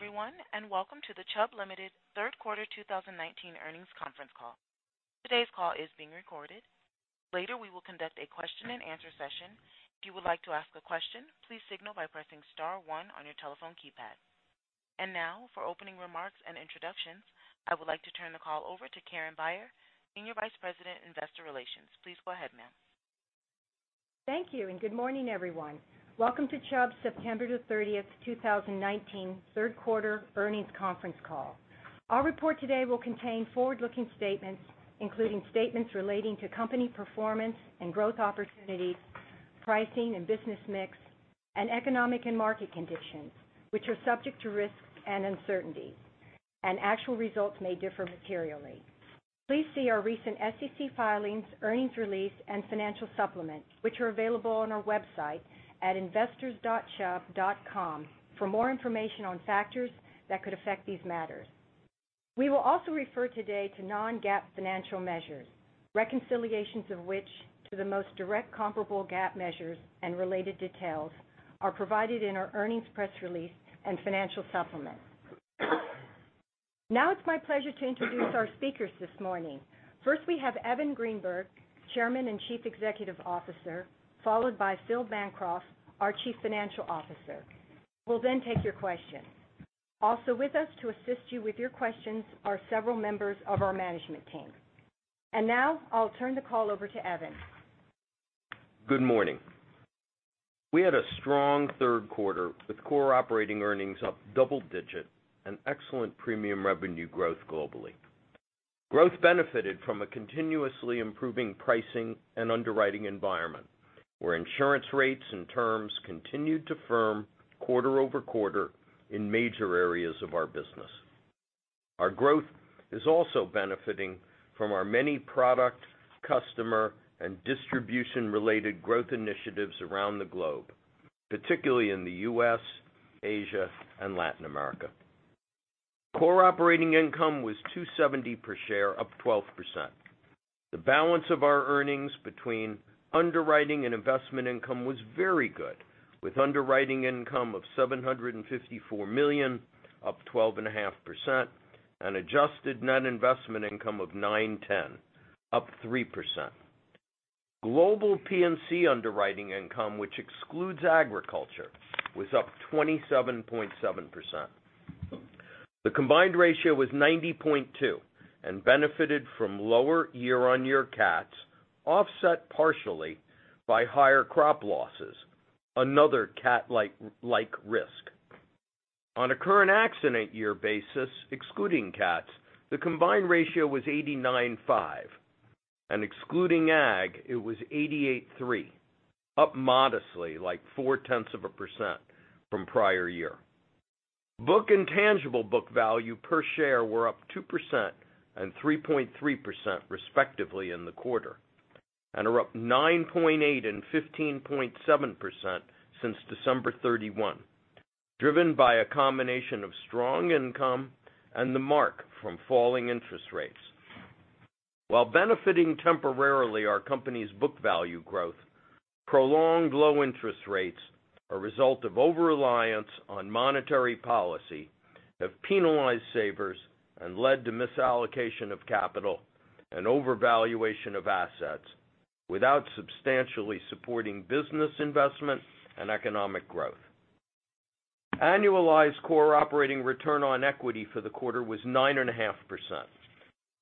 Good day, everyone, and welcome to the Chubb Limited third quarter 2019 earnings conference call. Today's call is being recorded. Later, we will conduct a question and answer session. If you would like to ask a question, please signal by pressing star one on your telephone keypad. Now for opening remarks and introductions, I would like to turn the call over to Karen Beyer, Senior Vice President, Investor Relations. Please go ahead, ma'am. Thank you, good morning, everyone. Welcome to Chubb's September 30th, 2019 third quarter earnings conference call. Our report today will contain forward-looking statements, including statements relating to company performance and growth opportunities, pricing and business mix, and economic and market conditions, which are subject to risks and uncertainties. Actual results may differ materially. Please see our recent SEC filings, earnings release, and financial supplement, which are available on our website at investors.chubb.com for more information on factors that could affect these matters. We will also refer today to non-GAAP financial measures, reconciliations of which to the most direct comparable GAAP measures and related details are provided in our earnings press release and financial supplement. It's my pleasure to introduce our speakers this morning. First, we have Evan Greenberg, Chairman and Chief Executive Officer, followed by Philip Bancroft, our Chief Financial Officer. We'll take your questions. Also with us to assist you with your questions are several members of our management team. Now I'll turn the call over to Evan. Good morning. We had a strong third quarter with core operating earnings up double digits and excellent premium revenue growth globally. Growth benefited from a continuously improving pricing and underwriting environment, where insurance rates and terms continued to firm quarter-over-quarter in major areas of our business. Our growth is also benefiting from our many product, customer, and distribution-related growth initiatives around the globe, particularly in the U.S., Asia, and Latin America. Core operating income was $2.70 per share, up 12%. The balance of our earnings between underwriting and investment income was very good, with underwriting income of $754 million, up 12.5%, and adjusted net investment income of $910, up 3%. Global P&C underwriting income, which excludes agriculture, was up 27.7%. The combined ratio was 90.2 and benefited from lower year-on-year CATs, offset partially by higher crop losses, another CAT-like risk. On a current accident year basis, excluding CATs, the combined ratio was 89.5, and excluding ag, it was 88.3, up modestly, like 0.4% from prior year. Book and tangible book value per share were up 2% and 3.3% respectively in the quarter, and are up 9.8% and 15.7% since December 31, driven by a combination of strong income and the mark from falling interest rates. While temporarily benefiting our company's book value growth, prolonged low-interest rates are a result of over-reliance on monetary policy, have penalized savers, and led to misallocation of capital and overvaluation of assets without substantially supporting business investment and economic growth. Annualized core operating return on equity for the quarter was 9.5%.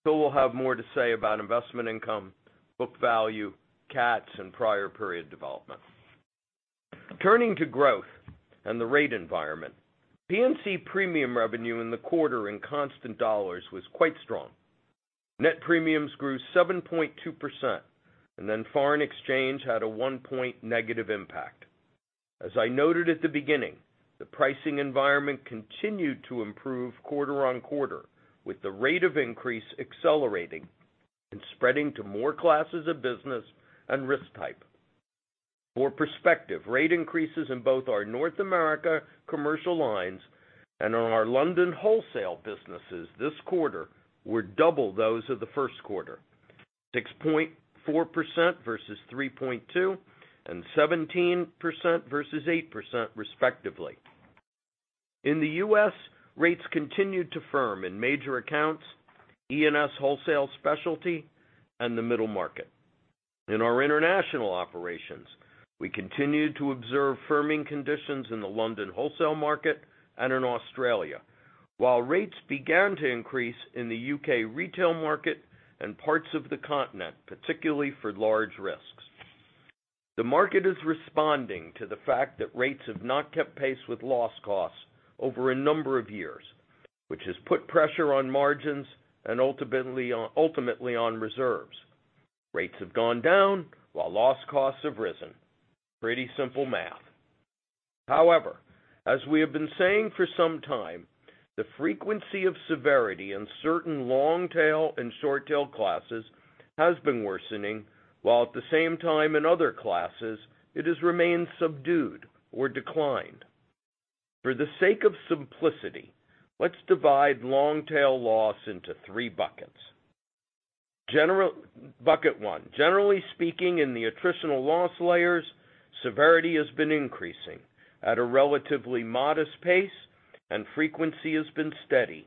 Phil will have more to say about investment income, book value, CATs, and prior period development. Turning to growth and the rate environment, P&C premium revenue in the quarter in constant dollars was quite strong. Net premiums grew 7.2%. Foreign exchange had a 1-point negative impact. As I noted at the beginning, the pricing environment continued to improve quarter-over-quarter, with the rate of increase accelerating and spreading to more classes of business and risk type. For perspective, rate increases in both our North America commercial lines and our London wholesale businesses this quarter were double those of the first quarter, 6.4% versus 3.2% and 17% versus 8%, respectively. In the U.S., rates continued to firm in major accounts, E&S wholesale specialty, and the middle market. In our international operations, we continued to observe firming conditions in the London wholesale market and in Australia, while rates began to increase in the U.K. retail market and parts of the continent, particularly for large risks. The market is responding to the fact that rates have not kept pace with loss costs over a number of years, which has put pressure on margins and ultimately on reserves. Rates have gone down while loss costs have risen. Pretty simple math. However, as we have been saying for some time, the frequency of severity in certain long-tail and short-tail classes has been worsening, while at the same time in other classes it has remained subdued or declined. For the sake of simplicity, let's divide long-tail loss into three buckets. Bucket one. Generally speaking, in the attritional loss layers, severity has been increasing at a relatively modest pace, and frequency has been steady,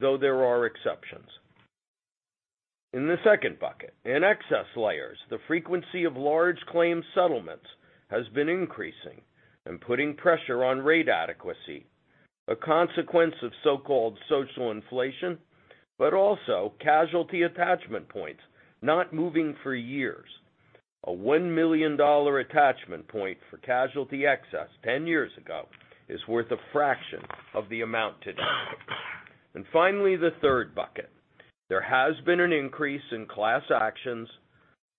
though there are exceptions. In the second bucket, in excess layers, the frequency of large claim settlements has been increasing and putting pressure on rate adequacy, a consequence of so-called social inflation, casualty attachment points not moving for years. A $1 million attachment point for casualty excess 10 years ago is worth a fraction of the amount today. Finally, the third bucket. There has been an increase in class actions,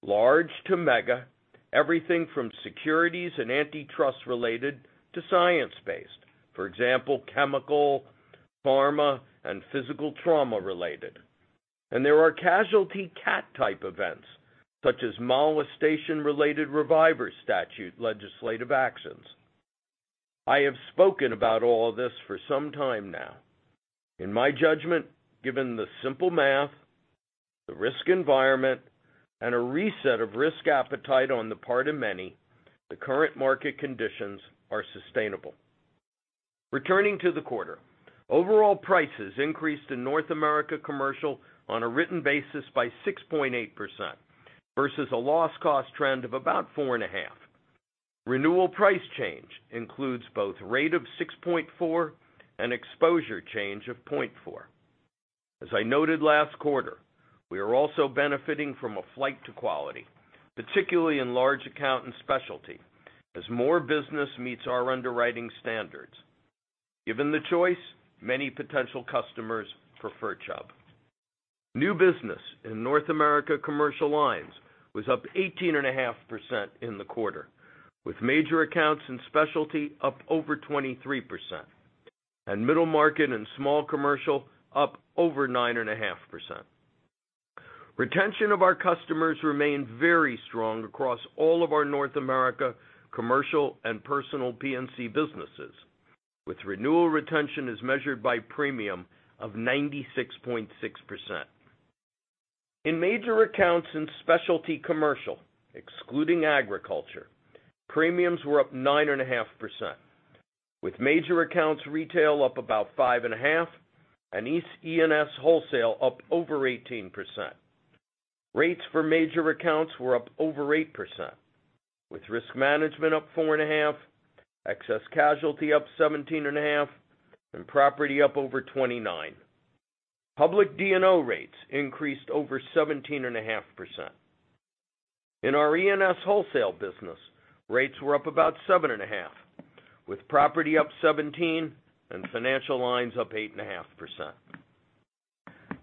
large to mega, everything from securities and antitrust-related to science-based. For example, chemical, pharma, and physical trauma-related. There are casualty CAT type events, such as molestation-related reviver statute legislative actions. I have spoken about all this for some time now. In my judgment, given the simple math, the risk environment, and a reset of risk appetite on the part of many, the current market conditions are sustainable. Returning to the quarter. Overall prices increased in North America Commercial on a written basis by 6.8% versus a loss cost trend of about 4.5%. Renewal price change includes both rate of 6.4 and exposure change of 0.4. As I noted last quarter, we are also benefiting from a flight to quality, particularly in large account and specialty, as more business meets our underwriting standards. Given the choice, many potential customers prefer Chubb. New business in North America Commercial lines was up 18.5% in the quarter, with major accounts and specialty up over 23%, and middle market and small commercial up over 9.5%. Retention of our customers remained very strong across all of our North America commercial and personal P&C businesses, with renewal retention as measured by premium of 96.6%. In major accounts in specialty commercial, excluding agriculture, premiums were up 9.5%, with major accounts retail up about 5.5% and E&S wholesale up over 18%. Rates for major accounts were up over 8%, with risk management up 4.5, excess casualty up 17.5, and property up over 29. Public D&O rates increased over 17.5%. In our E&S wholesale business, rates were up about 7.5, with property up 17% and financial lines up 8.5%.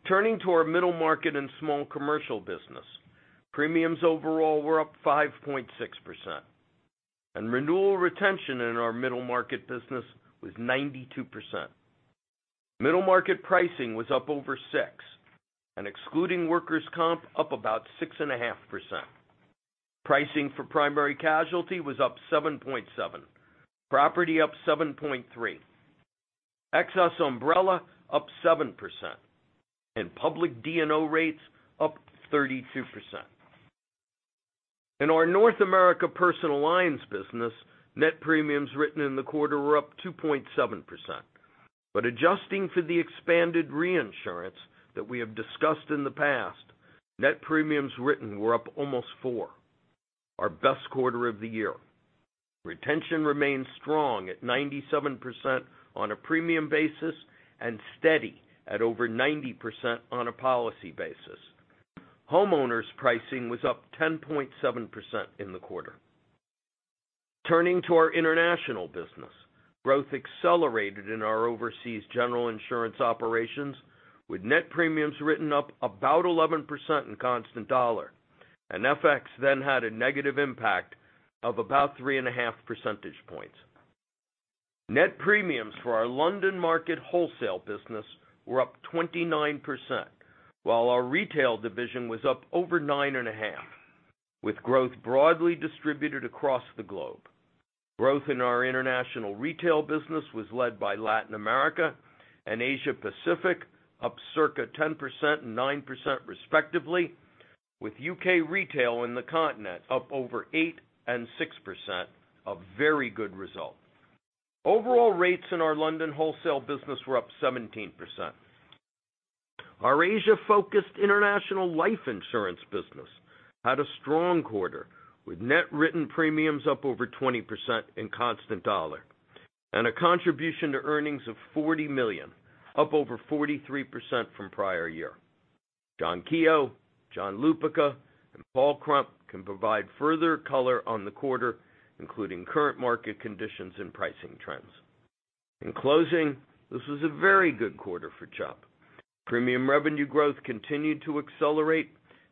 Turning to our middle market and small commercial business, premiums overall were up 5.6%, and renewal retention in our middle market business was 92%. Middle market pricing was up over 6% and excluding workers' compensation up about 6.5%. Pricing for primary casualty was up 7.7, property up 7.3, excess umbrella up 7%, and public D&O rates up 32%. In our North America personal lines business, net premiums written in the quarter were up 2.7%. Adjusting for the expanded reinsurance that we have discussed in the past, net premiums written were up almost 4%, our best quarter of the year. Retention remains strong at 97% on a premium basis and steady at over 90% on a policy basis. Homeowners' pricing was up 10.7% in the quarter. Turning to our international business. Growth accelerated in our overseas general insurance operations, with net premiums written up about 11% in constant dollar, and FX then had a negative impact of about 3.5 percentage points. Net premiums for our London market wholesale business were up 29%, while our retail division was up over 9.5%, with growth broadly distributed across the globe. Growth in our international retail business was led by Latin America and Asia Pacific, up circa 10% and 9% respectively, with U.K. retail and the continent up over 8% and 6%, a very good result. Overall rates in our London wholesale business were up 17%. Our Asia-focused international life insurance business had a strong quarter, with net written premiums up over 20% in constant dollar and a contribution to earnings of $40 million, up over 43% from prior year. John Keogh, John Lupica, and Paul Krump can provide further color on the quarter, including current market conditions and pricing trends. In closing, this was a very good quarter for Chubb. Premium revenue growth continued to accelerate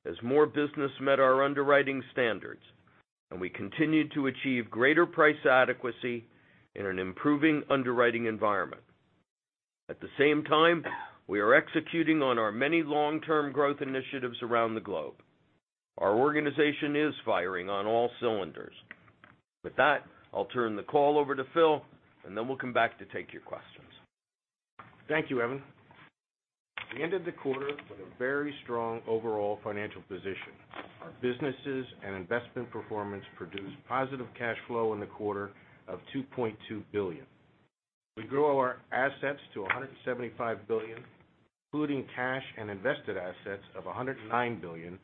as more business met our underwriting standards, and we continued to achieve greater price adequacy in an improving underwriting environment. At the same time, we are executing on our many long-term growth initiatives around the globe. Our organization is firing on all cylinders. With that, I'll turn the call over to Phil, and then we'll come back to take your questions. Thank you, Evan. We ended the quarter with a very strong overall financial position. Our businesses and investment performance produced positive cash flow in the quarter of $2.2 billion. We grew our assets to $175 billion, including cash and invested assets of $109 billion,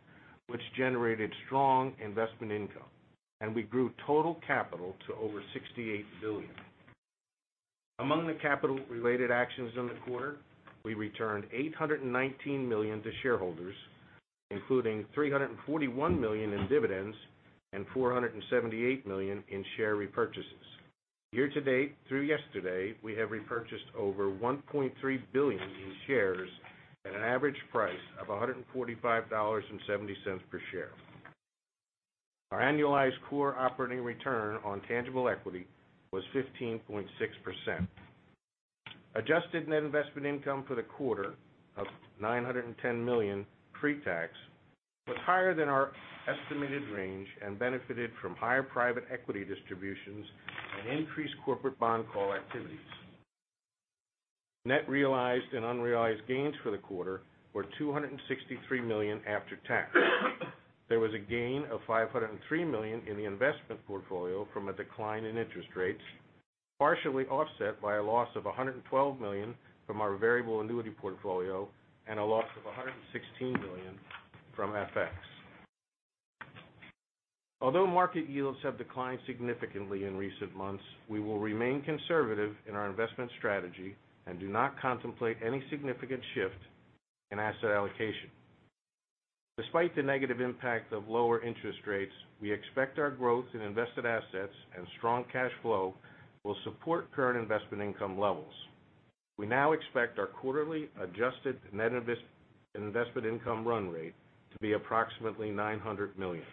which generated strong investment income, and we grew total capital to over $68 billion. Among the capital-related actions in the quarter, we returned $819 million to shareholders, including $341 million in dividends and $478 million in share repurchases. Year to date, through yesterday, we have repurchased over $1.3 billion in shares at an average price of $145.70 per share. Our annualized core operating return on tangible equity was 15.6%. Adjusted net investment income for the quarter of $910 million pre-tax was higher than our estimated range and benefited from higher private equity distributions and increased corporate bond call activities. Net realized and unrealized gains for the quarter were $263 million after tax. There was a gain of $503 million in the investment portfolio from a decline in interest rates, partially offset by a loss of $112 million from our variable annuity portfolio and a loss of $116 million from FX. Although market yields have declined significantly in recent months, we will remain conservative in our investment strategy and do not contemplate any significant shift in asset allocation. Despite the negative impact of lower interest rates, we expect our growth in invested assets and strong cash flow will support current investment income levels. We now expect our quarterly adjusted net investment income run rate to be approximately $900 million.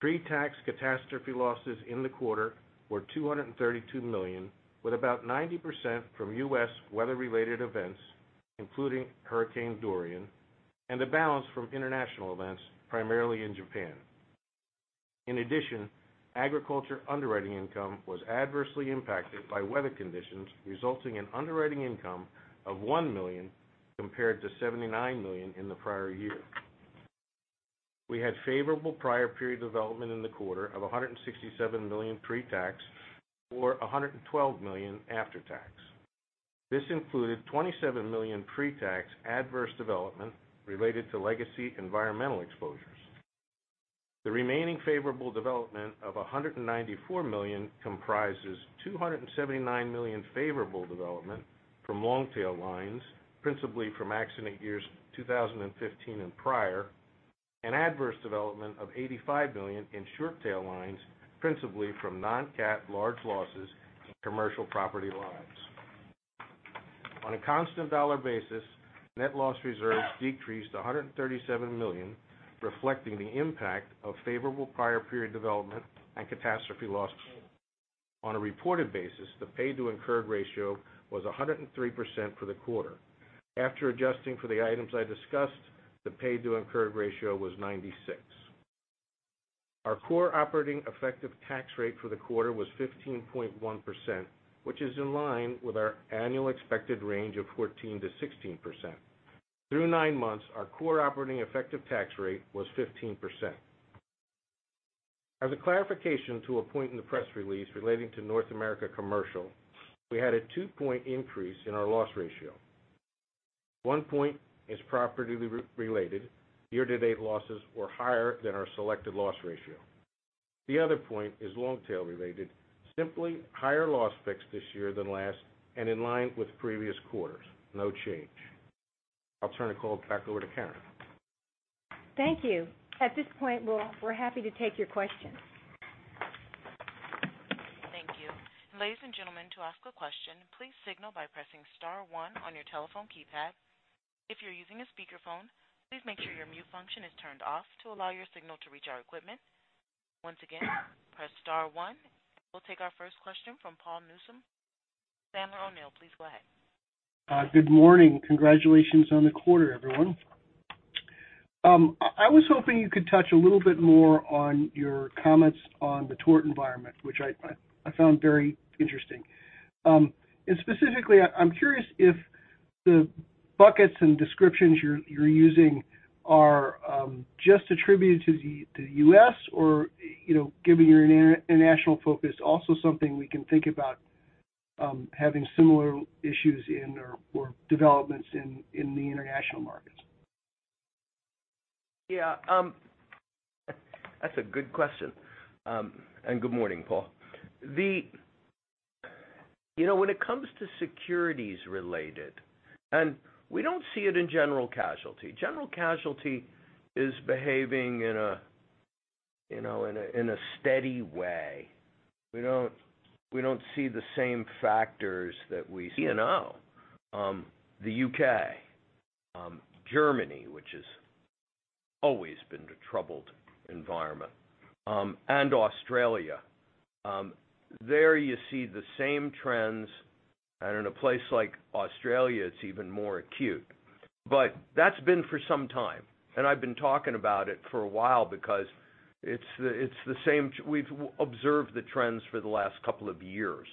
Pre-tax catastrophe losses in the quarter were $232 million, with about 90% from U.S. weather-related events, including Hurricane Dorian, and the balance from international events, primarily in Japan. Agriculture underwriting income was adversely impacted by weather conditions, resulting in underwriting income of $1 million compared to $79 million in the prior year. We had favorable prior period development in the quarter of $167 million pre-tax, or $112 million after tax. This included $27 million pre-tax adverse development related to legacy environmental exposures. The remaining favorable development of $194 million comprises $279 million favorable development from long-tail lines, principally from accident years 2015 and prior, and adverse development of $85 million in short-tail lines, principally from non-cat large losses in commercial property lines. On a constant dollar basis, net loss reserves decreased to $137 million, reflecting the impact of favorable prior period development and catastrophe loss. On a reported basis, the paid to incurred ratio was 103% for the quarter. After adjusting for the items I discussed, the paid to incurred ratio was 96%. Our core operating effective tax rate for the quarter was 15.1%, which is in line with our annual expected range of 14%-16%. Through nine months, our core operating effective tax rate was 15%. As a clarification to a point in the press release relating to North America Commercial, we had a two-point increase in our loss ratio. One point is property-related. Year-to-date losses were higher than our selected loss ratio. The other point is long-tail related, simply higher loss picks this year than last and in line with previous quarters. No change. I'll turn the call back over to Karen. Thank you. At this point, we're happy to take your questions. Thank you. Ladies and gentlemen, to ask a question, please signal by pressing star one on your telephone keypad. If you're using a speakerphone, please make sure your mute function is turned off to allow your signal to reach our equipment. Once again, press star one. We'll take our first question from Paul Newsome, Sandler O'Neill. Please go ahead. Good morning. Congratulations on the quarter, everyone. I was hoping you could touch a little bit more on your comments on the tort environment, which I found very interesting. Specifically, I'm curious if the buckets and descriptions you're using are just attributed to the U.S. or, given your international focus, also something we can think about having similar issues in or developments in the international markets. Yeah. That's a good question. Good morning, Paul. When it comes to securities-related, and we don't see it in general casualty. General casualty is behaving in a steady way. We don't see the same factors that we see now. The U.K., Germany, which has always been the troubled environment, and Australia. There you see the same trends, and in a place like Australia, it's even more acute That's been for some time, and I've been talking about it for a while because we've observed the trends for the last couple of years.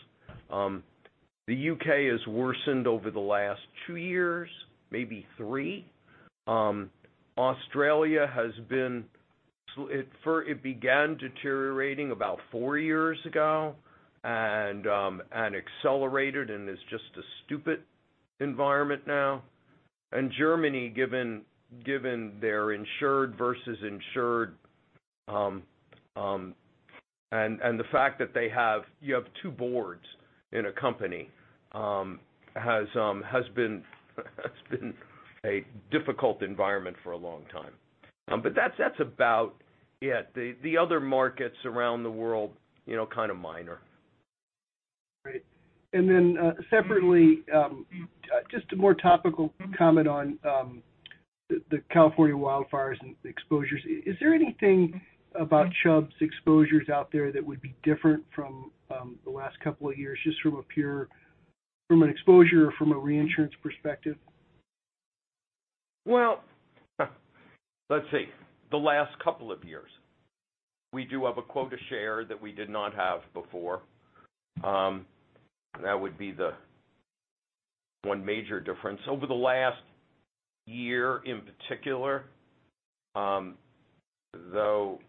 The U.K. has worsened over the last two years, maybe three. It began deteriorating about four years ago and accelerated and is just a stupid environment now. Germany, given their insured versus insured, and the fact that you have two boards in a company, has been a difficult environment for a long time. That's about it. The other markets around the world, kind of minor. Right. Separately, just a more topical comment on the California wildfires and exposures. Is there anything about Chubb's exposures out there that would be different from the last couple of years, just from a pure exposure or from a reinsurance perspective? Well, let's see. The last couple of years. We do have a quota share that we did not have before. That would be the one major difference. Over the last year in particular, though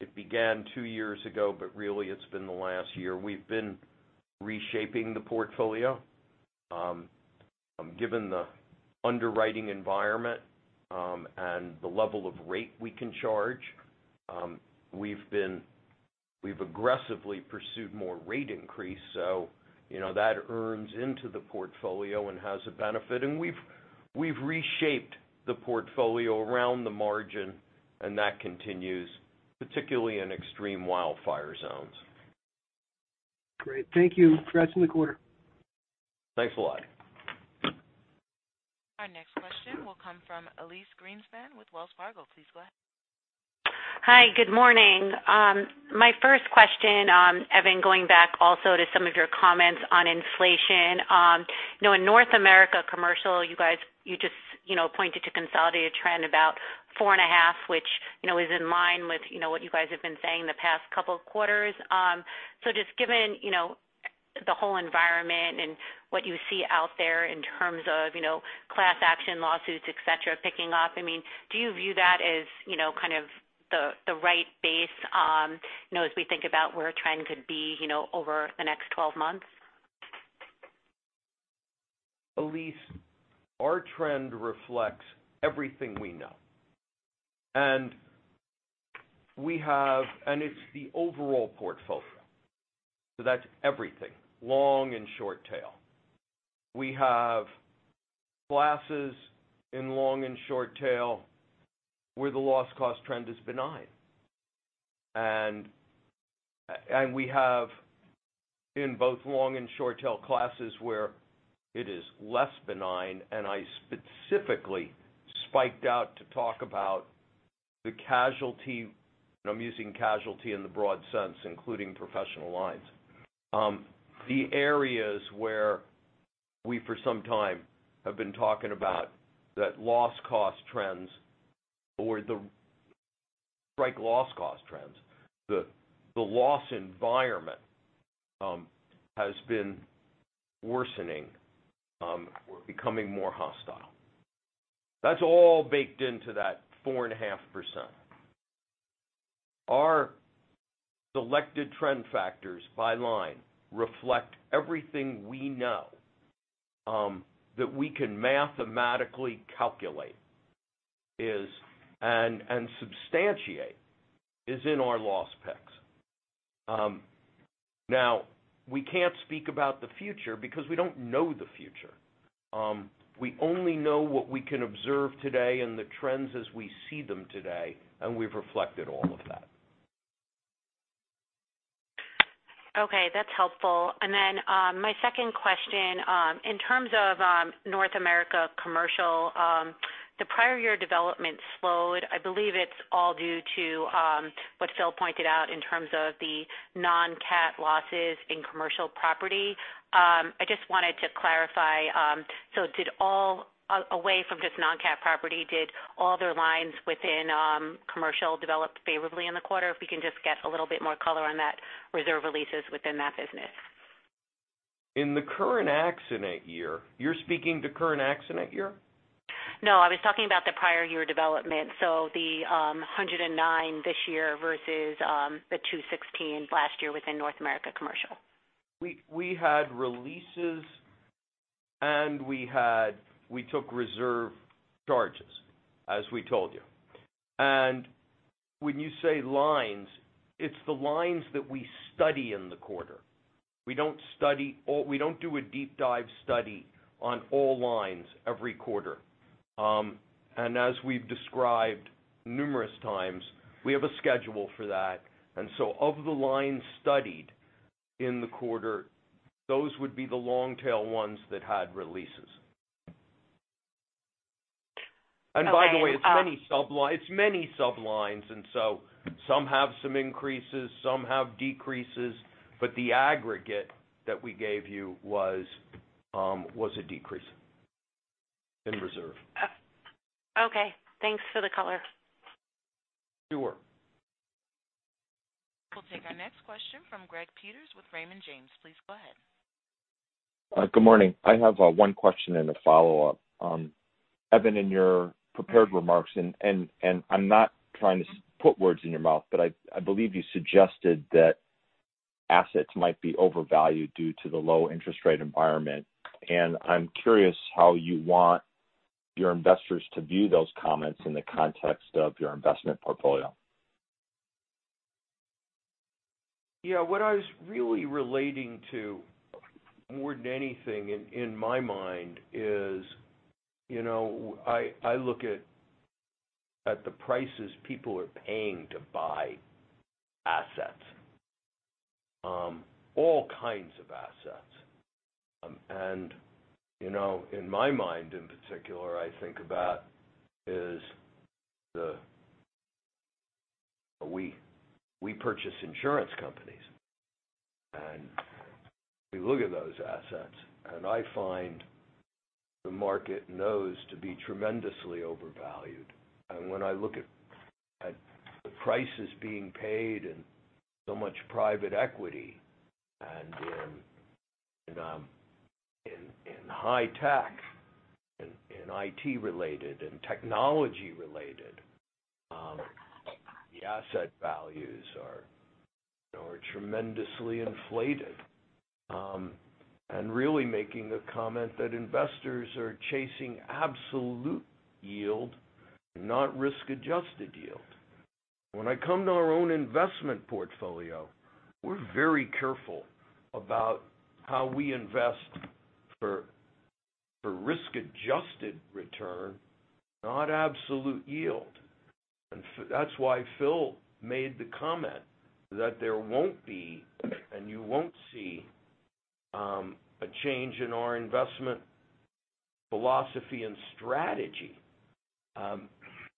it began two years ago, but really it's been the last year, we've been reshaping the portfolio. Given the underwriting environment, and the level of rate we can charge, we've aggressively pursued more rate increase, so that earns into the portfolio and has a benefit. We've reshaped the portfolio around the margin, and that continues particularly in extreme wildfire zones. Great. Thank you. Congrats on the quarter. Thanks a lot. Our next question will come from Elyse Greenspan with Wells Fargo. Please go ahead. Hi, good morning. My first question, Evan, going back also to some of your comments on inflation. In North America Commercial, you just pointed to consolidated trend about four and a half which is in line with what you guys have been saying the past couple of quarters. Just given the whole environment and what you see out there in terms of class action lawsuits, et cetera, picking up, do you view that as the right base as we think about where a trend could be over the next 12 months? Elyse, our trend reflects everything we know. It is the overall portfolio. That's everything, long and short tail. We have classes in long and short tail where the loss cost trend is benign. We have in both long and short tail classes where it is less benign. I specifically spiked out to talk about the casualty, and I'm using casualty in the broad sense, including professional lines. The areas where we, for some time, have been talking about that loss cost trends or the spiked loss cost trends, the loss environment has been worsening or becoming more hostile. That's all baked into that 4.5%. Our selected trend factors by line reflect everything we know that we can mathematically calculate and substantiate is in our loss picks. Now, we can't speak about the future because we don't know the future. We only know what we can observe today and the trends as we see them today, and we've reflected all of that. Okay, that's helpful. My second question, in terms of North America Commercial, the prior year development slowed. I believe it is all due to what Phil pointed out in terms of the non-CAT losses in commercial property. I just wanted to clarify. Away from just non-CAT property, did all other lines within commercial develop favorably in the quarter? If we can just get a little bit more color on that reserve releases within that business. In the current accident year. You're speaking the current accident year? No, I was talking about the prior year development. The $109 this year versus the $216 last year within North America Commercial. We had releases, and we took reserve charges, as we told you. When you say lines, it's the lines that we study in the quarter. We don't do a deep dive study on all lines every quarter. As we've described numerous times, we have a schedule for that. Of the lines studied in the quarter, those would be the long tail ones that had releases. By the way, it's many sub-lines. Some have some increases, some have decreases, but the aggregate that we gave you was a decrease in reserve. Okay. Thanks for the color. Sure. We'll take our next question from Greg Peters with Raymond James. Please go ahead. Good morning. I have one question and a follow-up. Evan, in your prepared remarks, and I'm not trying to put words in your mouth, but I believe you suggested that assets might be overvalued due to the low interest rate environment. I'm curious how you want your investors to view those comments in the context of your investment portfolio. Yeah, what I was really relating to more than anything, in my mind, is I look at the prices people are paying to buy assets. All kinds of assets. In my mind, in particular, I think about is we purchase insurance companies, and we look at those assets, and I find the market and those to be tremendously overvalued. When I look at the prices being paid and so much private equity, and in high tech and in IT related and technology related, the asset values are tremendously inflated. Really making a comment that investors are chasing absolute yield, not risk-adjusted yield. When I come to our own investment portfolio, we're very careful about how we invest for risk-adjusted return, not absolute yield. That's why Phil made the comment that there won't be, and you won't see, a change in our investment philosophy and strategy,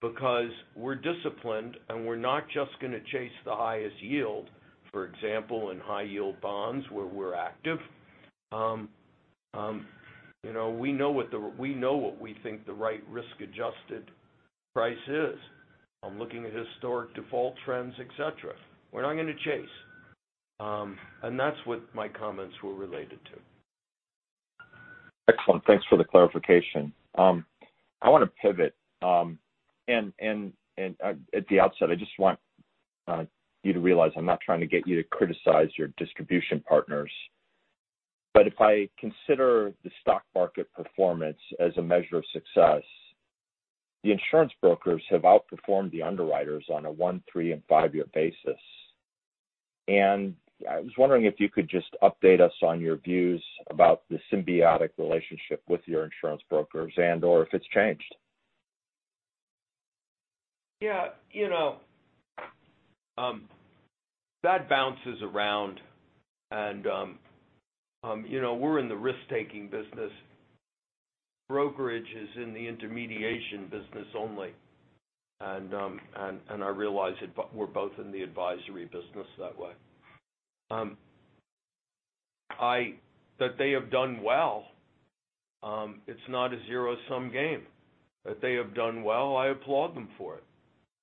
because we're disciplined, and we're not just going to chase the highest yield. For example, in high-yield bonds where we're active. We know what we think the right risk-adjusted price is. I'm looking at historic default trends, et cetera. We're not going to chase. That's what my comments were related to. Excellent. Thanks for the clarification. I want to pivot. At the outset, I just want you to realize I'm not trying to get you to criticize your distribution partners. If I consider the stock market performance as a measure of success, the insurance brokers have outperformed the underwriters on a one, three, and five-year basis. I was wondering if you could just update us on your views about the symbiotic relationship with your insurance brokers and/or if it's changed. Yeah. That bounces around. We're in the risk-taking business. Brokerage is in the intermediation business only. I realize we're both in the advisory business that way. That they have done well, it's not a zero-sum game. That they have done well, I applaud them for it.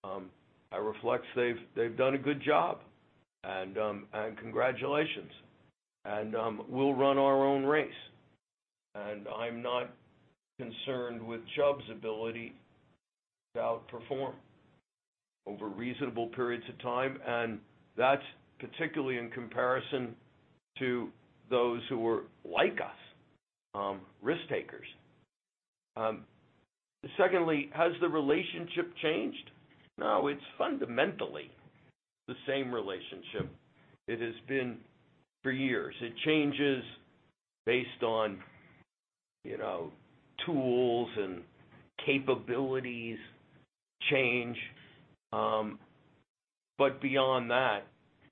It reflects they've done a good job, and congratulations. We'll run our own race, and I'm not concerned with Chubb's ability to outperform over reasonable periods of time, and that's particularly in comparison to those who are like us, risk-takers. Secondly, has the relationship changed? No, it's fundamentally the same relationship it has been for years. It changes based on tools and capabilities change. Beyond that,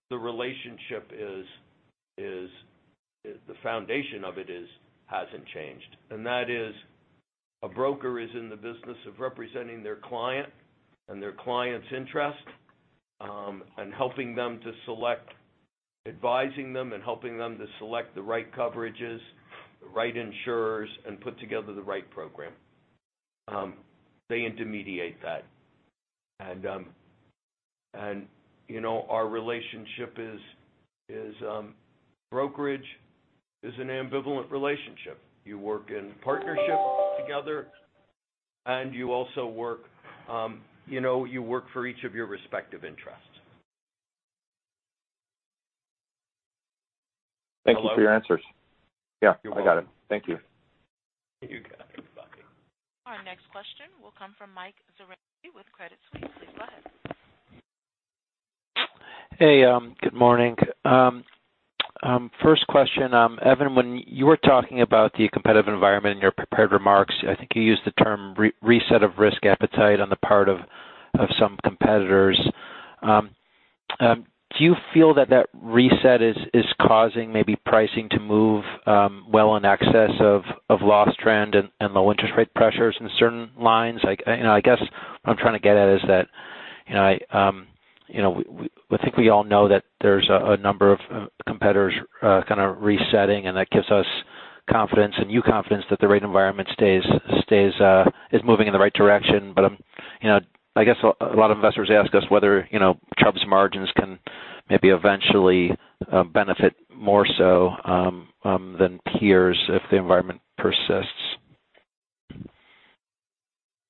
the relationship is, the foundation of it hasn't changed. That is, a broker is in the business of representing their client and their client's interest, and helping them to select, advising them and helping them to select the right coverages, the right insurers, and put together the right program. They intermediate that. Our relationship is brokerage is an ambivalent relationship. You work in partnership together, and you also work for each of your respective interests. Thank you for your answers. Hello? Yeah, I got it. Thank you. You got it, buddy. Our next question will come from Michael Zaremski with Credit Suisse. Please go ahead. Hey, good morning. First question. Evan, when you were talking about the competitive environment in your prepared remarks, I think I used the term reset of risk appetite on the part of some competitors. Do you feel that reset is causing maybe pricing to move well in excess of loss trend and low interest rate pressures in certain lines? I guess what I'm trying to get at is that, I think we all know that there's a number of competitors kind of resetting, and that gives us confidence and you confidence that the rate environment is moving in the right direction. I guess a lot of investors ask us whether Chubb's margins can maybe eventually benefit more so than peers if the environment persists.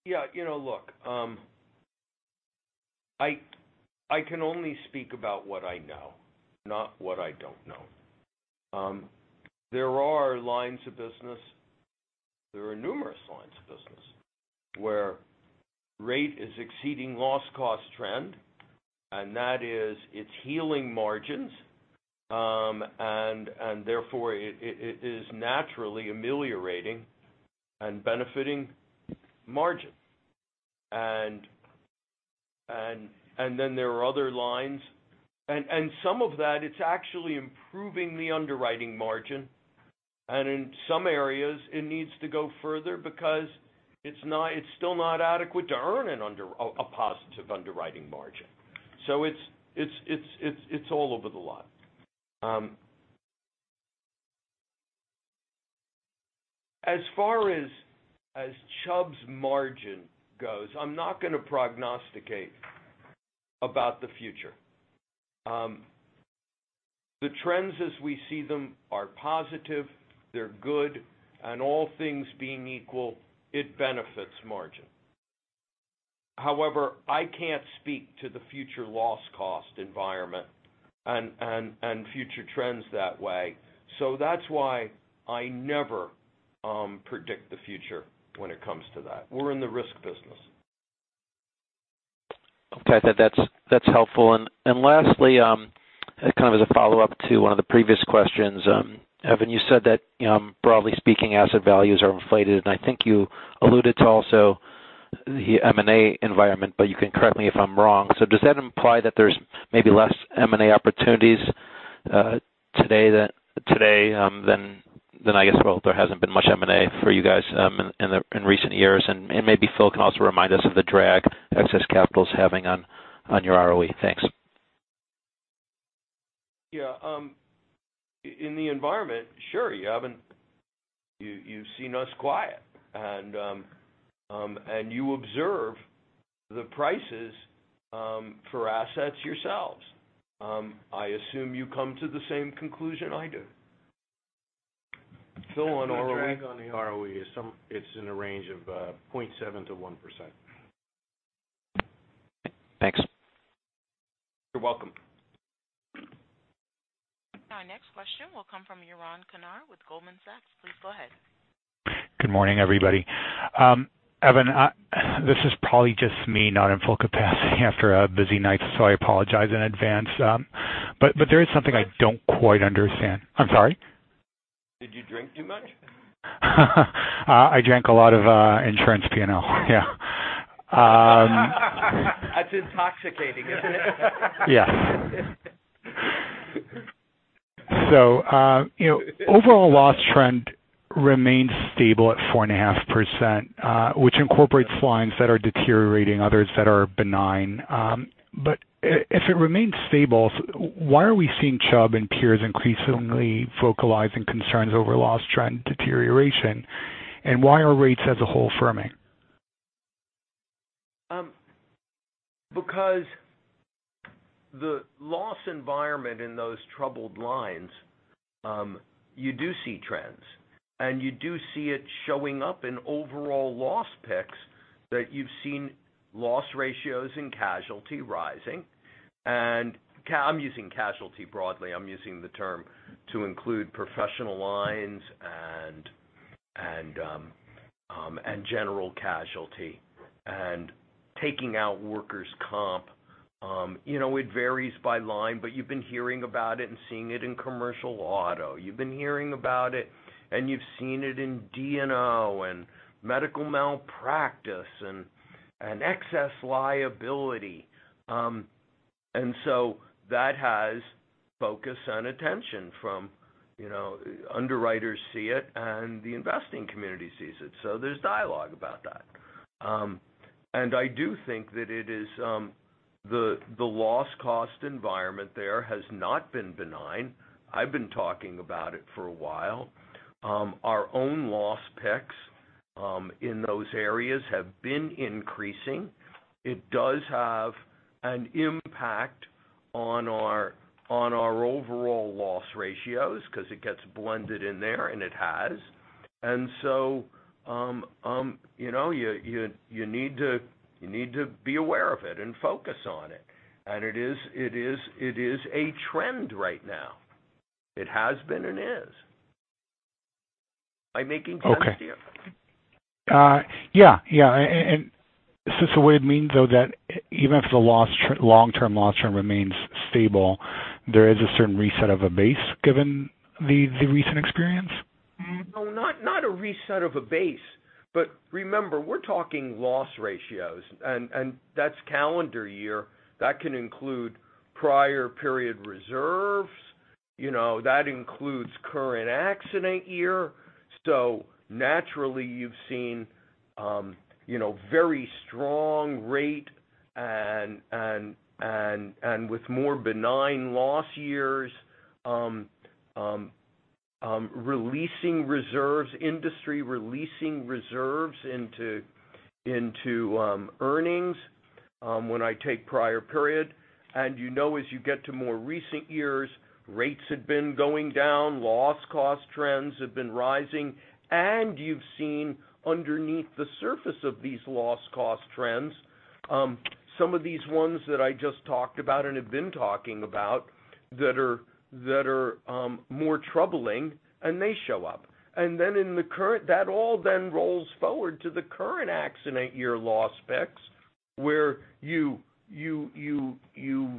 Yeah. Look, I can only speak about what I know, not what I don't know. There are lines of business, there are numerous lines of business where rate is exceeding loss cost trend, and that is, it's healing margins. Therefore, it is naturally ameliorating and benefiting margin. Then there are other lines, and some of that, it's actually improving the underwriting margin, and in some areas it needs to go further because it's still not adequate to earn a positive underwriting margin. It's all over the lot. As far as Chubb's margin goes, I'm not going to prognosticate about the future. The trends as we see them are positive, they're good, and all things being equal, it benefits margin. However, I can't speak to the future loss cost environment and future trends that way. That's why I never predict the future when it comes to that. We're in the risk business. Okay. That's helpful. Lastly, kind of as a follow-up to one of the previous questions, Evan, you said that, broadly speaking, asset values are inflated, and I think you alluded to also the M&A environment, but you can correct me if I'm wrong. Does that imply that there's maybe less M&A opportunities today than, I guess, well, there hasn't been much M&A for you guys in recent years. And maybe Phil can also remind us of the drag excess capital's having on your ROE. Thanks. Yeah. In the environment, sure, Evan. You've seen us quiet, and you observe the prices for assets yourselves. I assume you come to the same conclusion I do. Phil, on ROE? The drag on the ROE, it's in the range of 0.7% to 1%. Thanks. You're welcome. Our next question will come from Yaron Kinar with Goldman Sachs. Please go ahead. Good morning, everybody. Evan, this is probably just me not in full capacity after a busy night, so I apologize in advance. There is something I don't quite understand. I'm sorry? Did you drink too much? I drank a lot of insurance P&L, yeah. That's intoxicating, isn't it? Yes. Overall loss trend remains stable at 4.5%, which incorporates lines that are deteriorating, others that are benign. If it remains stable, why are we seeing Chubb and peers increasingly vocalizing concerns over loss trend deterioration, and why are rates as a whole firming? The loss environment in those troubled lines, you do see trends, and you do see it showing up in overall loss picks that you've seen loss ratios in casualty rising. I'm using casualty broadly. I'm using the term to include professional lines and general casualty, and taking out workers' compensation. It varies by line, you've been hearing about it and seeing it in commercial auto. You've been hearing about it, and you've seen it in D&O and medical malpractice and excess liability. That has focus and attention from underwriters see it and the investing community sees it. There's dialogue about that. I do think that it is the loss cost environment there has not been benign. I've been talking about it for a while. Our own loss picks in those areas have been increasing. It does have an impact on our overall loss ratios because it gets blended in there, and it has. You need to be aware of it and focus on it. It is a trend right now. It has been and is. Am I making sense to you? Okay. Yeah. Is this a way it means, though, that even if the long-term loss trend remains stable, there is a certain reset of a base given the recent experience? No, not a reset of a base. Remember, we're talking loss ratios, and that's calendar year. That can include prior period reserves, that includes current accident year. Naturally, you've seen very strong rate and with more benign loss years, releasing reserves, industry releasing reserves into earnings when I take prior period. You know as you get to more recent years, rates had been going down, loss cost trends have been rising. You've seen underneath the surface of these loss cost trends, some of these ones that I just talked about and have been talking about that are more troubling, and they show up. That all then rolls forward to the current accident year loss picks, where you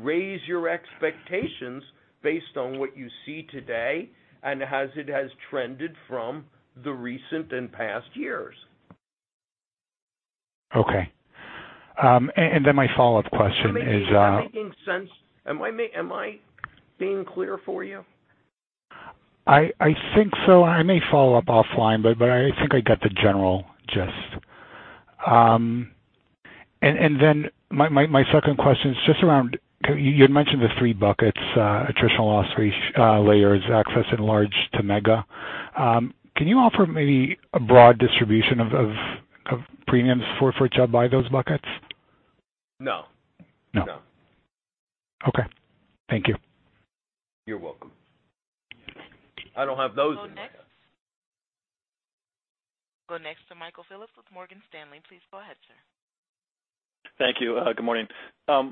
raise your expectations based on what you see today and as it has trended from the recent and past years. Okay. My follow-up question is. Am I making sense? Am I being clear for you? I think so. I may follow up offline, but I think I got the general gist. My second question is just around, you had mentioned the three buckets, attritional loss layers, excess and large to mega. Can you offer maybe a broad distribution of premiums for Chubb by those buckets? No. No. No. Okay. Thank you. You're welcome. I don't have those in my head. We'll go next to Michael Phillips with Morgan Stanley. Please go ahead, sir. Thank you. Good morning. I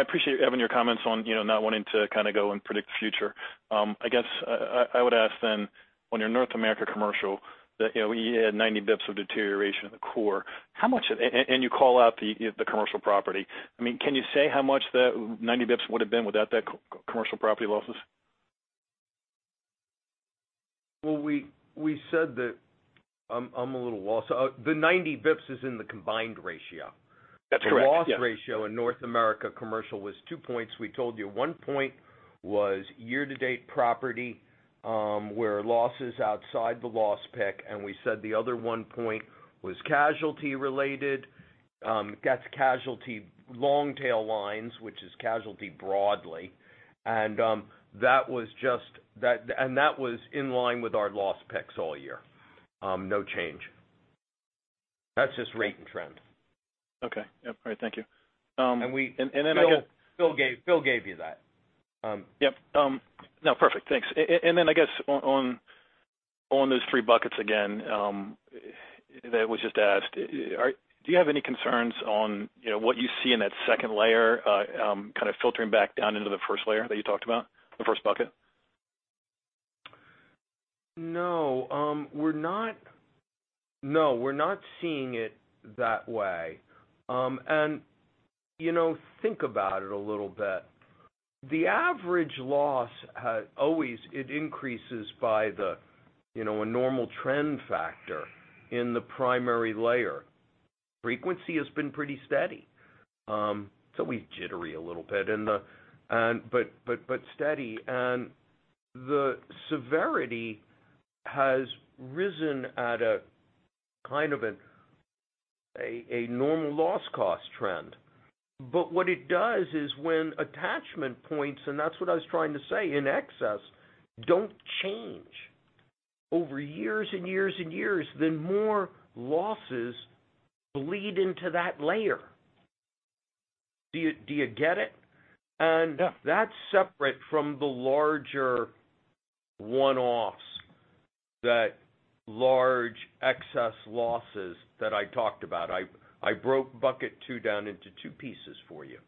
appreciate having your comments on not wanting to go and predict the future. I would ask then, on your North America commercial that you had 90 bips of deterioration in the core. You call out the commercial property. Can you say how much the 90 bips would've been without that commercial property losses? Well, we said that I'm a little lost. The 90 bips is in the combined ratio. That's correct, yeah. The loss ratio in North America commercial was two points. We told you one point was year to date property, where losses outside the loss pick, and we said the other one point was casualty related. That's casualty long tail lines, which is casualty broadly. That was in line with our loss picks all year. No change. That's just rate and trend. Okay. Yep. All right, thank you. Phil gave you that. Yep. No, perfect. Thanks. Then on those three buckets again, that was just asked, do you have any concerns on what you see in that second layer, kind of filtering back down into the first layer that you talked about, the first bucket? No, we're not seeing it that way. Think about it a little bit. The average loss, always, it increases by a normal trend factor in the primary layer. Frequency has been pretty steady. It's always jittery a little bit, but steady. The severity has risen at a normal loss cost trend. What it does is when attachment points, and that's what I was trying to say, in excess, don't change over years and years and years, then more losses bleed into that layer. Do you get it? Yeah. That's separate from the larger one-offs, that large excess losses that I talked about. I broke bucket 2 down into two pieces for you.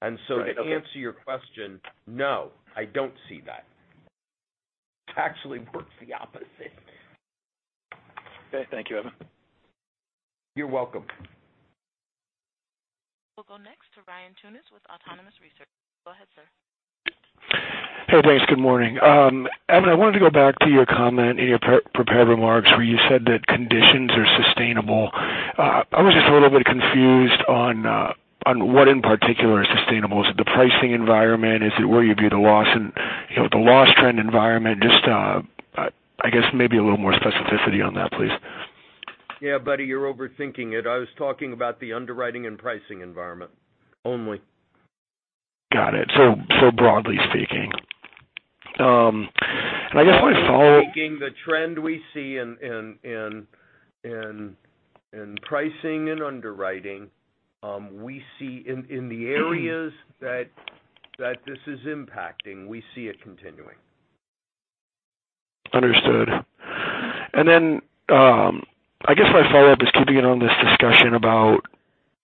Right, okay. To answer your question, no, I don't see that. It actually works the opposite. Okay, thank you, Evan. You're welcome. We'll go next to Ryan Tunis with Autonomous Research. Go ahead, sir. Hey, thanks. Good morning. Evan, I wanted to go back to your comment in your prepared remarks where you said that conditions are sustainable. I was just a little bit confused on what in particular is sustainable. Is it the pricing environment? Is it where you view the loss trend environment? Just, I guess maybe a little more specificity on that, please. Yeah, buddy, you're overthinking it. I was talking about the underwriting and pricing environment only. Got it. Broadly speaking. Broadly speaking, the trend we see in pricing and underwriting, we see in the areas that this is impacting, we see it continuing. Understood. I guess my follow-up is keeping it on this discussion about,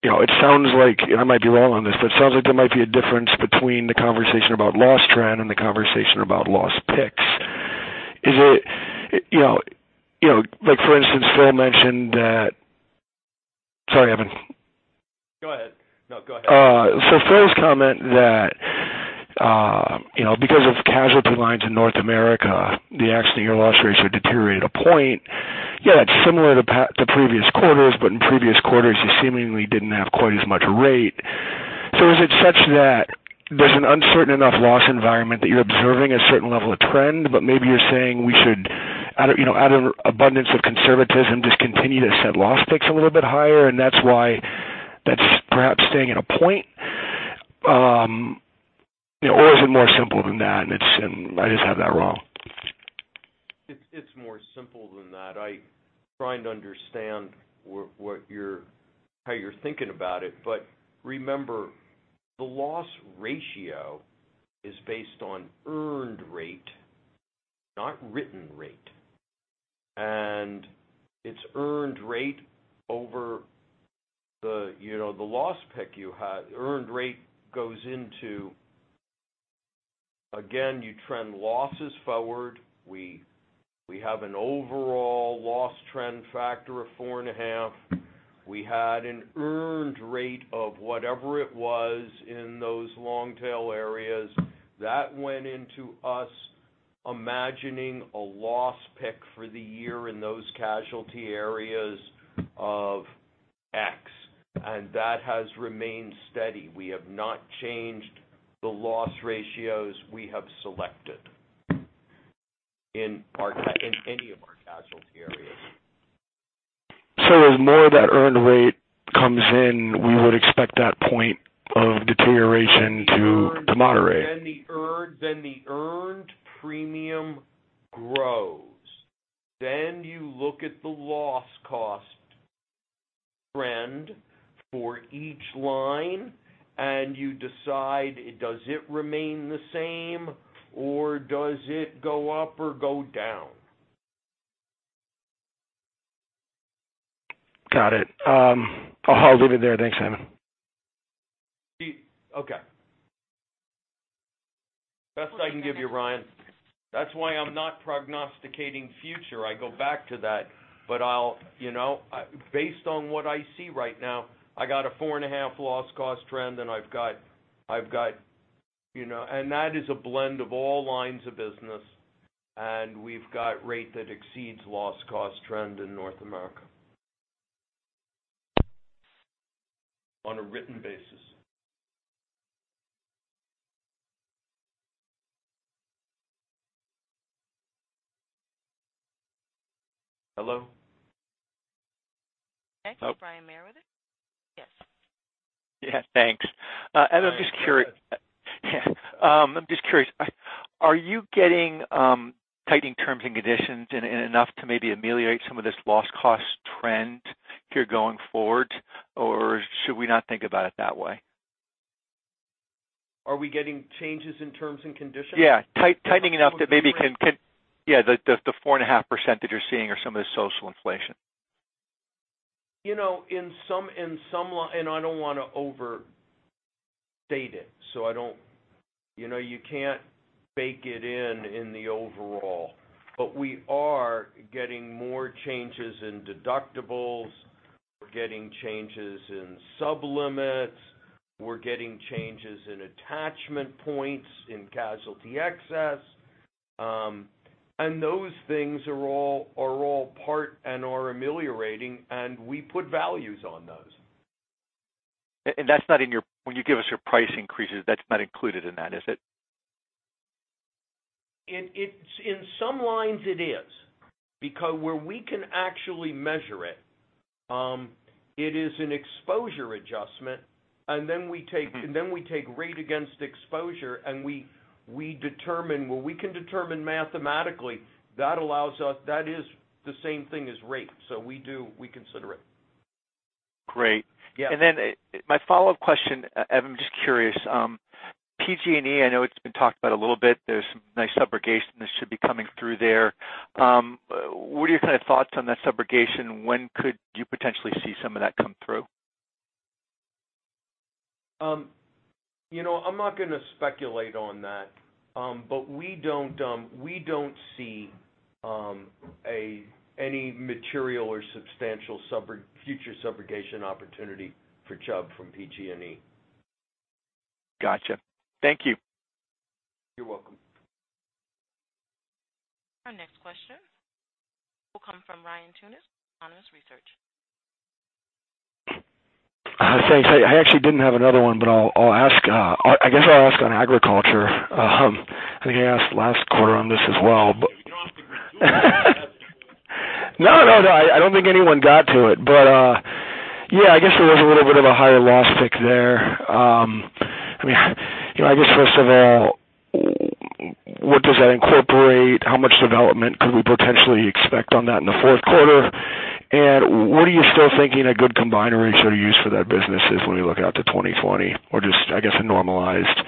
it sounds like, and I might be wrong on this, but it sounds like there might be a difference between the conversation about loss trend and the conversation about loss picks. For instance, Phil mentioned that Sorry, Evan. No, go ahead. First comment that, because of casualty lines in North America, the accident year loss ratio deteriorated a point. That's similar to previous quarters, but in previous quarters, you seemingly didn't have quite as much rate. Is it such that there's an uncertain enough loss environment that you're observing a certain level of trend, but maybe you're saying we should out of abundance of conservatism, just continue to set loss picks a little bit higher and that's why that's perhaps staying at a point? Is it more simple than that, and I just have that wrong? It's more simple than that. I'm trying to understand how you're thinking about it. Remember, the loss ratio is based on earned rate, not written rate. It's earned rate over the loss pick you had. Earned rate goes into, again, you trend losses forward. We have an overall loss trend factor of 4.5. We had an earned rate of whatever it was in those long tail areas. That went into us imagining a loss pick for the year in those casualty areas of X, and that has remained steady. We have not changed the loss ratios we have selected in any of our casualty areas. As more of that earned rate comes in, we would expect that point of deterioration to moderate. The earned premium grows. You look at the loss cost trend for each line, and you decide, does it remain the same or does it go up or go down? Got it. I'll leave it there. Thanks, Evan. Okay. Best I can give you, Ryan. That's why I'm not prognosticating future. I go back to that. Based on what I see right now, I got a four-and-a-half loss cost trend, and that is a blend of all lines of business, and we've got rate that exceeds loss cost trend in North America on a written basis. Hello? Next, we have Brian Meredith. Yes. Yeah, thanks. Evan, I'm just curious, are you getting tightening terms and conditions enough to maybe ameliorate some of this loss cost trend here going forward? Or should we not think about it that way? Are we getting changes in terms and conditions? Yeah, tightening enough that maybe the four and a half % that you're seeing or some of the social inflation. In some line, I don't want to overstate it. You can't bake it in in the overall. We are getting more changes in deductibles. We're getting changes in sub-limits. We're getting changes in attachment points in casualty excess. Those things are all part and are ameliorating, and we put values on those. When you give us your price increases, that's not included in that, is it? In some lines it is, because where we can actually measure it is an exposure adjustment, then we take rate against exposure, and we determine, well, we can determine mathematically, that is the same thing as rate. We do, we consider it. Great. Yeah. My follow-up question, Evan, I'm just curious. PG&E, I know it's been talked about a little bit. There's some nice subrogation that should be coming through there. What are your thoughts on that subrogation? When could you potentially see some of that come through? I'm not going to speculate on that. We don't see any material or substantial future subrogation opportunity for Chubb from PG&E. Got you. Thank you. You're welcome. Our next question will come from Ryan Tunis, Autonomous Research. Thanks. Hey, I actually didn't have another one, but I guess I'll ask on agriculture. I think I asked last quarter on this as well. You're asking me to remember. No, I don't think anyone got to it. Yeah, I guess there was a little bit of a higher loss pick there. I guess, first of all, what does that incorporate? How much development could we potentially expect on that in the fourth quarter? What are you still thinking a good combined ratio to use for that business is when we look out to 2020 or just, I guess, a normalized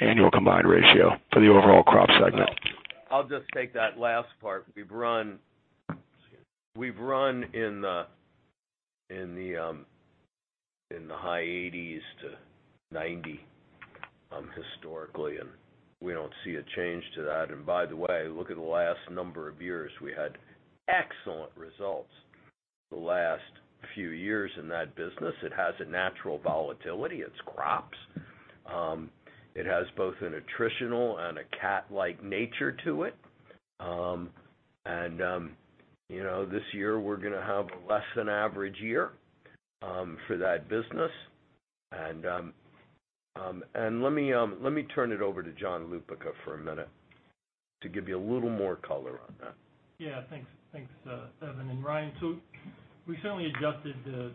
annual combined ratio for the overall crop segment? I'll just take that last part. We've run in the high 80s to 90 historically. We don't see a change to that. By the way, look at the last number of years. We had excellent results the last few years in that business. It has a natural volatility. It's crops. It has both an attritional and a CAT-like nature to it. This year, we're going to have a less than average year for that business. Let me turn it over to John Lupica for a minute to give you a little more color on that. Yeah. Thanks, Evan and Ryan. We certainly adjusted the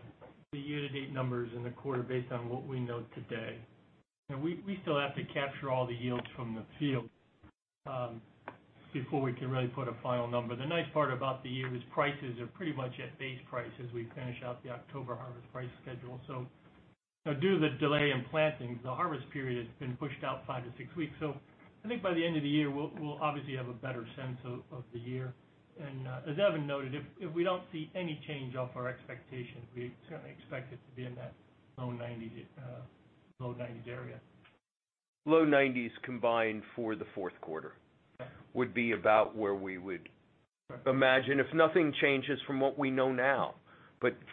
year-to-date numbers in the quarter based on what we know today. We still have to capture all the yields from the field before we can really put a final number. The nice part about the year is prices are pretty much at base price as we finish out the October harvest price schedule. Due to the delay in planting, the harvest period has been pushed out five to six weeks. I think by the end of the year, we'll obviously have a better sense of the year. As Evan noted, if we don't see any change off our expectation, we certainly expect it to be in that low 90s area. Low 90s combined for the fourth quarter would be about where we would imagine if nothing changes from what we know now.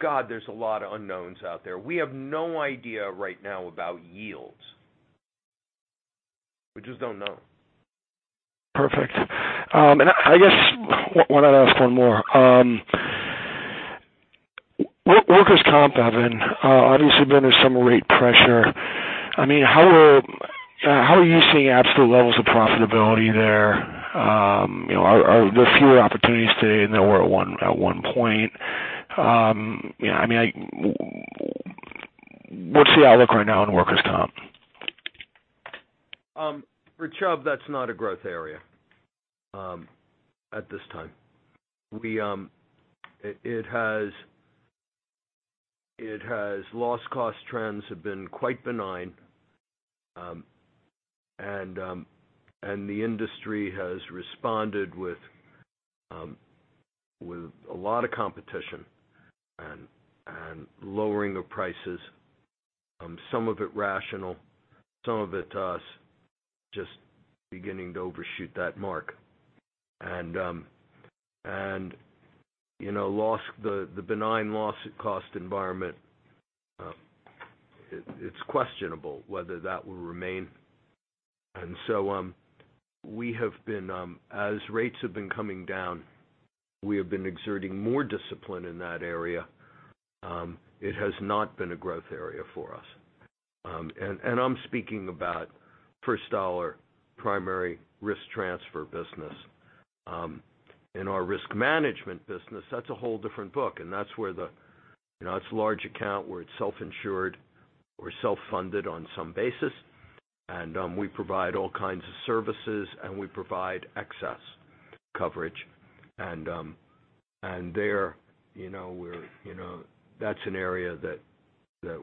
God, there's a lot of unknowns out there. We have no idea right now about yields. We just don't know. Perfect. I guess, why not ask one more? Workers' comp, Evan, obviously been under some rate pressure. How are you seeing absolute levels of profitability there? Are there fewer opportunities today than there were at one point? What's the outlook right now on workers' compensation? For Chubb, that's not a growth area at this time. Loss cost trends have been quite benign, the industry has responded with a lot of competition and lowering of prices. Some of it rational, some of it just beginning to overshoot that mark. The benign loss cost environment, it's questionable whether that will remain. As rates have been coming down, we have been exerting more discipline in that area. It has not been a growth area for us. I'm speaking about first dollar primary risk transfer business. In our risk management business, that's a whole different book, and that's large account where it's self-insured or self-funded on some basis. We provide all kinds of services, and we provide excess coverage. That's an area that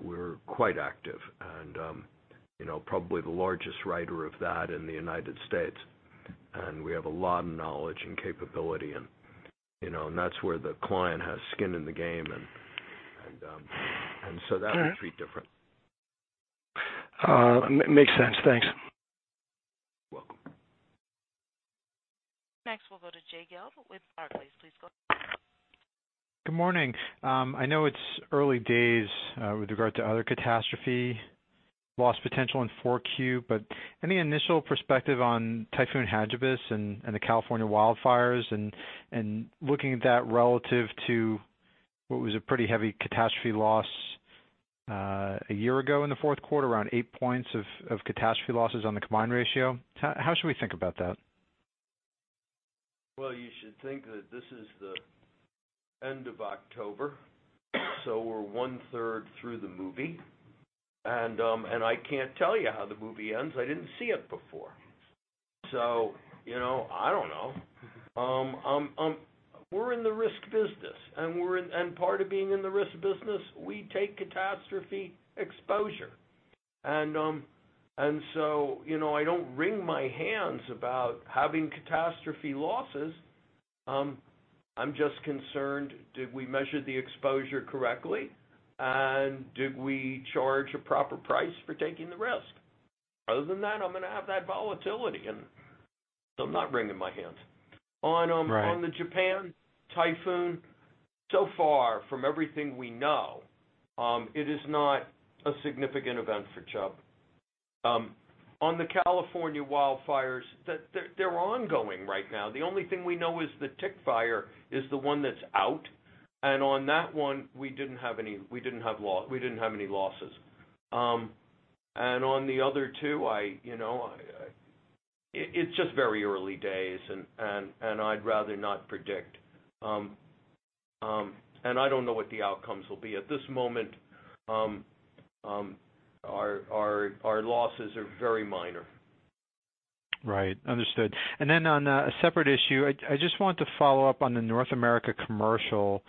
we're quite active and probably the largest writer of that in the U.S. We have a lot of knowledge and capability, that's where the client has skin in the game. That would be different. Makes sense. Thanks. You're welcome. Next, we'll go to Jay Gelb with Barclays. Please go ahead. Good morning. I know it's early days with regard to other catastrophe loss potential in 4Q, but any initial perspective on Typhoon Hagibis and the California wildfires, and looking at that relative to what was a pretty heavy catastrophe loss a year ago in the fourth quarter, around eight points of catastrophe losses on the combined ratio. How should we think about that? Well, you should think that this is the end of October, we're one third through the movie. I can't tell you how the movie ends. I didn't see it before. I don't know. We're in the risk business, and part of being in the risk business, we take catastrophe exposure. I don't wring my hands about having catastrophe losses. I'm just concerned, did we measure the exposure correctly? Did we charge a proper price for taking the risk? Other than that, I'm going to have that volatility, I'm not wringing my hands. Right. On the Japan typhoon, so far, from everything we know, it is not a significant event for Chubb. On the California wildfires, they're ongoing right now. The only thing we know is the Tick Fire is the one that's out. On that one, we didn't have any losses. On the other two, it's just very early days, and I'd rather not predict. I don't know what the outcomes will be. At this moment, our losses are very minor. Right. Understood. On a separate issue, I just wanted to follow up on the North America commercial.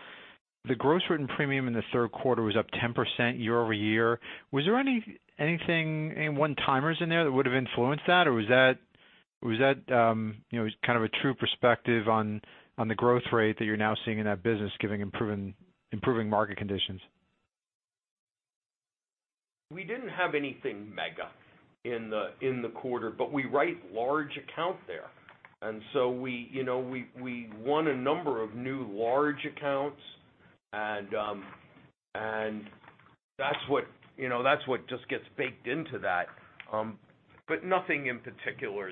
The gross written premium in the third quarter was up 10% year-over-year. Was there anything, any one-timers in there that would have influenced that? Or was that kind of a true perspective on the growth rate that you're now seeing in that business given improving market conditions? We didn't have anything mega in the quarter, we write large account there. We won a number of new large accounts and that's what just gets baked into that. Nothing in particular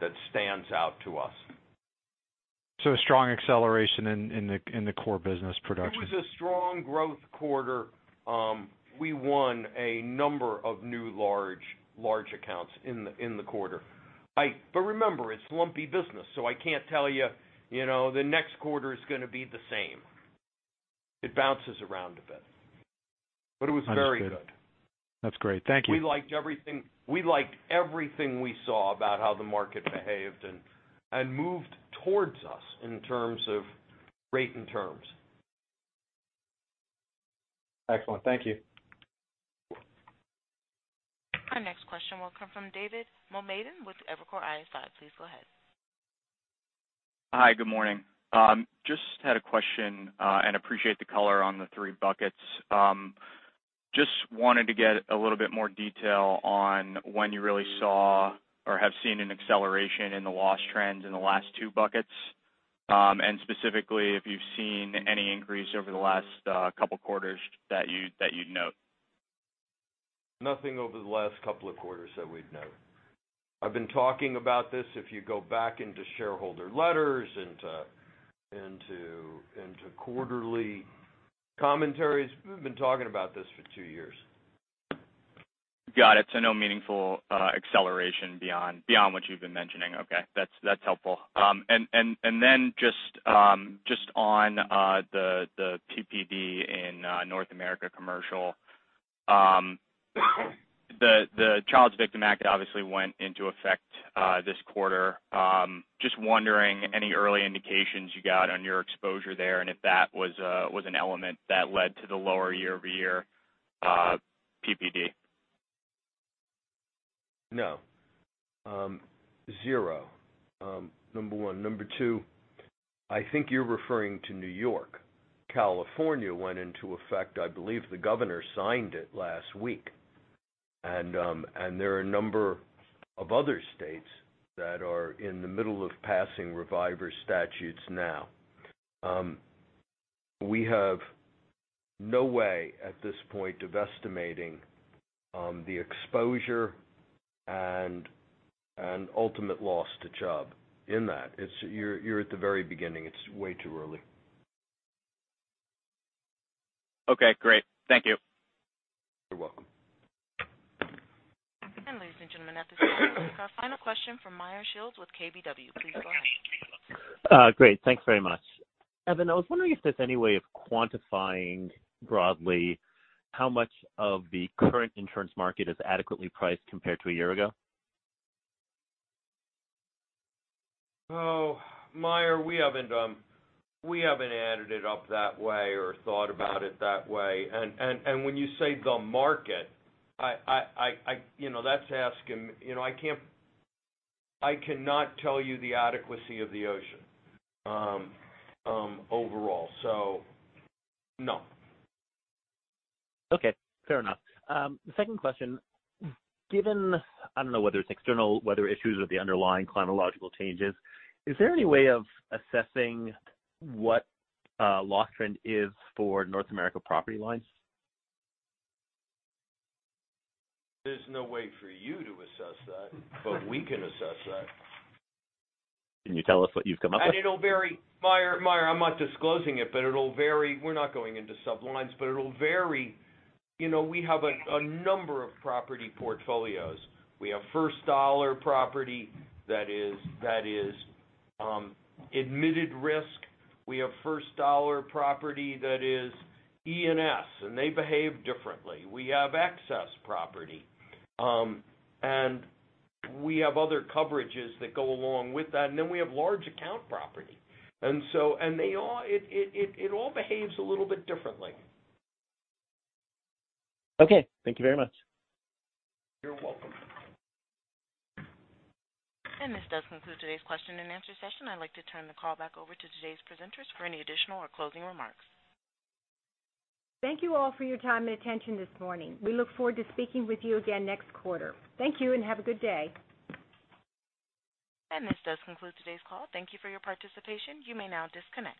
that stands out to us. a strong acceleration in the core business production. It was a strong growth quarter. We won a number of new large accounts in the quarter. Remember, it's lumpy business, I can't tell you the next quarter is going to be the same. It bounces around a bit. It was very good. Understood. That's great. Thank you. We liked everything we saw about how the market behaved and moved towards us in terms of rate and terms. Excellent. Thank you. Our next question will come from David Motemaden with Evercore ISI. Please go ahead. Hi, good morning. Just had a question, appreciate the color on the 3 buckets. Just wanted to get a little bit more detail on when you really saw or have seen an acceleration in the loss trends in the last 2 buckets. Specifically, if you've seen any increase over the last couple quarters that you'd note. Nothing over the last couple of quarters that we'd note. I've been talking about this, if you go back into shareholder letters and to quarterly commentaries, we've been talking about this for two years. Got it. No meaningful acceleration beyond what you've been mentioning. That's helpful. Just on the PPD in North America Commercial. The Child Victims Act obviously went into effect this quarter. Just wondering any early indications you got on your exposure there, and if that was an element that led to the lower year-over-year PPD. No. Zero, number one. Number two, I think you're referring to New York. California went into effect, I believe the governor signed it last week. There are a number of other states that are in the middle of passing reviver statutes now. We have no way at this point of estimating the exposure and ultimate loss to Chubb in that. You're at the very beginning. It's way too early. Great. Thank you. You're welcome. Ladies and gentlemen, at this time we'll take our final question from Meyer Shields with KBW. Please go ahead. Great. Thanks very much. Evan, I was wondering if there's any way of quantifying broadly how much of the current insurance market is adequately priced compared to a year ago. Oh, Meyer, we haven't added it up that way or thought about it that way. When you say the market, I cannot tell you the adequacy of the ocean overall. No. Okay, fair enough. Second question, given, I don't know whether it's external weather issues or the underlying climatological changes, is there any way of assessing what loss trend is for North America property lines? There's no way for you to assess that, but we can assess that. Can you tell us what you've come up with? It'll vary. Meyer, I'm not disclosing it, but it'll vary. We're not going into sublines, but it'll vary. We have a number of property portfolios. We have first dollar property that is admitted risk. We have first dollar property that is E&S, and they behave differently. We have excess property. We have other coverages that go along with that, then we have large account property. It all behaves a little bit differently. Okay. Thank you very much. You're welcome. This does conclude today's question and answer session. I'd like to turn the call back over to today's presenters for any additional or closing remarks. Thank you all for your time and attention this morning. We look forward to speaking with you again next quarter. Thank you, and have a good day. This does conclude today's call. Thank you for your participation. You may now disconnect.